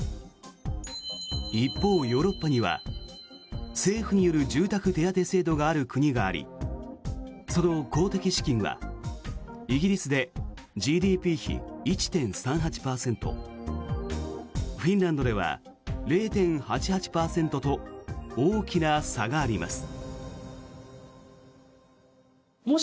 一方、ヨーロッパには政府による住宅手当制度がある国がありその公的資金はイギリスでＧＤＰ比１．３８％フィンランドでは０．８８％と大きな差があります。